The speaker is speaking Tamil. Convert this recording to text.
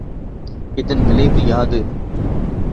இதன் விளைவு யாது?